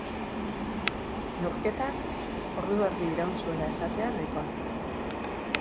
Neurketak ordu erdi iraun zuela esatea nahikoa da.